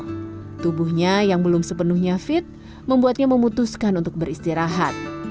dan setelah selesai berusaha anaknya yang belum sepenuhnya fit membuatnya memutuskan untuk beristirahat